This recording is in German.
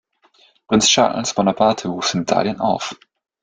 Prinz Charles Bonaparte wuchs in Italien auf.